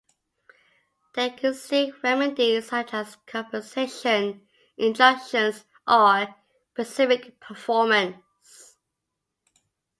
They can seek remedies such as compensation, injunctions, or specific performance.